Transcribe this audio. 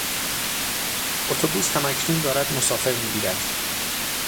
اتوبوس هم اکنون دارد مسافر میگیرد.